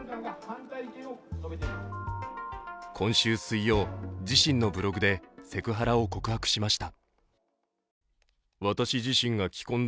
今週水曜、自身のブログでセクハラを告白しました。